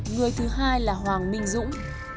người thứ hai là hoàng minh dũng